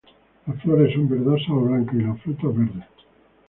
Las flores son verdosas o blancas y los frutos verdes.